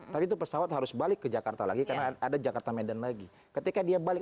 tapi itu pesawat harus balik ke jakarta lagi karena ada jakarta medan lagi ketika dia balik